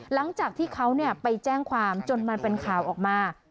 หลังจากที่เขาไปแจ้งความจนมันเป็นข่าวออกมา